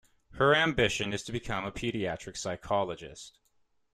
Her ambition is to become a pediatric psychologist.